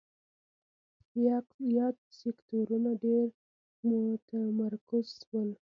یاد سکتورونه ډېر متمرکز شول.